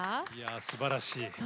すばらしい。